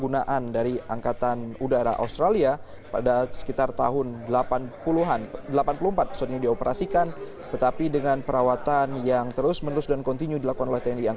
untuk tidak terjadi lagi kejadian atau kecelakaan yang sama di masa yang datang